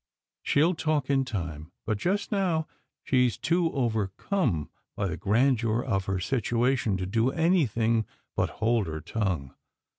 She'll talk in time, but just now, she's too overcome by the grandeur of her situation to do anything but hold her tongue.